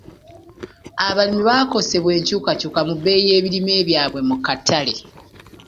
Abalimi bakosebwa enkyukakyuka mu bbeeyi y'ebirime byabwe mu katale.